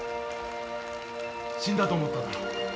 死んだと思っただろ。